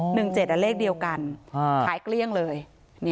หนึ่งเจ็ดอ่ะเลขเดียวกันอ่าขายเกลี้ยงเลยเนี่ย